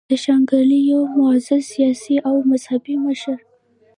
د شانګلې يو معزز سياسي او مذهبي مشر